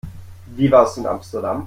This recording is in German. Wie war's in Amsterdam?